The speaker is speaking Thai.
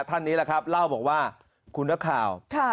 ท่านนี้แหละครับเล่าบอกว่าคุณนักข่าว